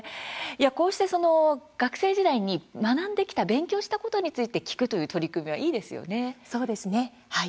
こうして、学生時代に学んできた勉強したことについて聞くそうですね。